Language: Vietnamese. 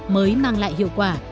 mới mang lại hiệu quả